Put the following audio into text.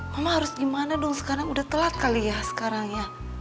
mama harus gimana dong sekarang udah telat kali ya sekarang ya